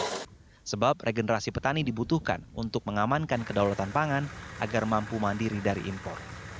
karena regenerasi petani dibutuhkan untuk mengamankan kedaulatan pangan agar mampu mandiri dari impor